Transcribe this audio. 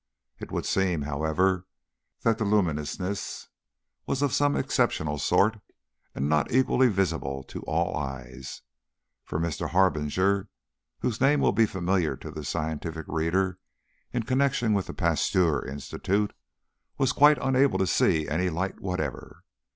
It would seem, however, that the luminousness was of some exceptional sort, and not equally visible to all eyes; for Mr. Harbinger whose name will be familiar to the scientific reader in connection with the Pasteur Institute was quite unable to see any light whatever.